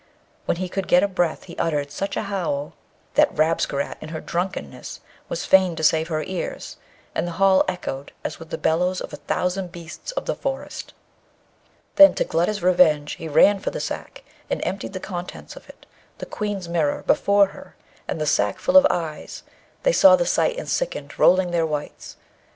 When he could get a breath he uttered such a howl that Rabesqurat in her drunkenness was fain to save her ears, and the hall echoed as with the bellows of a thousand beasts of the forest. Then, to glut his revenge he ran for the sack, and emptied the contents of it, the Queen's mirror, before her; and the sackful of eyes, they saw the sight, and sickened, rolling their whites.